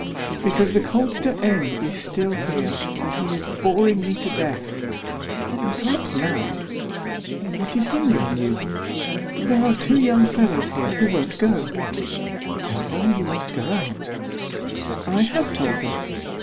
"Because the Comte de N. is still here, and he is boring me to death." "I can't now." "What is hindering you?" "There are two young fellows here who won't go." "Tell them that you must go out." "I have told them."